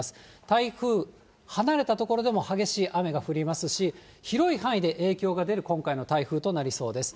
台風、離れた所でも激しい雨が降りますし、広い範囲で影響が出る今回の台風となりそうです。